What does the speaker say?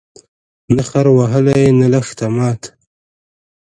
نه خر وهلی، نه لښته ماته